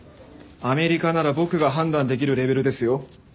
アメリカなら僕が判断できるレベルですよ。